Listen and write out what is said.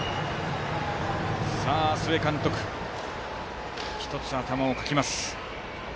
須江監督、１つ頭をかきます。